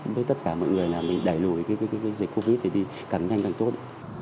với tất cả mọi người là mình đẩy lùi cái dịch covid thì càng nhanh càng tốt